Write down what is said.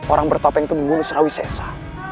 orang bertopeng itu membunuh sarawisa esa